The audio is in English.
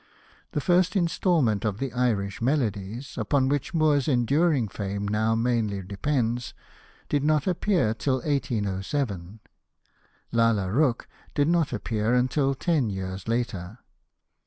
The first instalment of the Irish Melodies^ upon which Moore's enduring fame now mainly depends, did not appear till 1807. Lalla Rookh did not appear until ten years later.